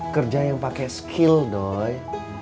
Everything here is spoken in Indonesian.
kerja yang pake skill doi